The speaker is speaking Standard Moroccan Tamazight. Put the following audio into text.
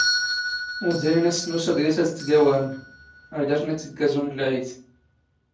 ⵓⴷⴰⵢⵏ ⵏⵜⵜⵏⵉ ⴰⵙⵙ ⵏ ⵓⵙⵉⴹⵢⴰⵙ ⴰⴷ ⵜⵜⴳⴰⵡⴰⵔⵏ ⴰⵔ ⴷⴰⵔⵙⵏ ⵉⵜⵜⴳⴳⴰ ⵣⵓⵏ ⴷ ⵍⵄⵉⴷ.